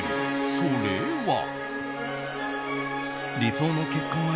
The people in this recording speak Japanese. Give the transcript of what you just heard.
それは。